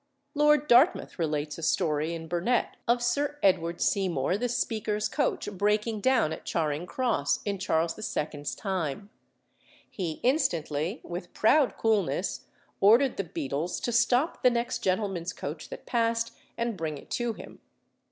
Lord Dartmouth relates a story in Burnet of Sir Edward Seymour the Speaker's coach breaking down at Charing Cross, in Charles II.'s time. He instantly, with proud coolness, ordered the beadles to stop the next gentleman's coach that passed and bring it to him.